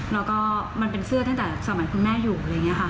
แล้วก็มันเป็นเสื้อตั้งแต่สมัยคุณแม่อยู่อะไรอย่างนี้ค่ะ